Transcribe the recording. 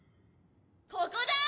ここだ！